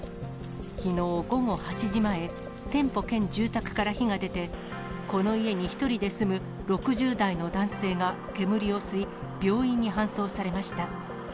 きのう午後８時前、店舗兼住宅から火が出て、この家に１人で住む６０代の男性が煙を吸い、病院に搬送されました。